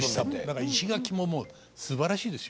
だから石垣ももうすばらしいですよ。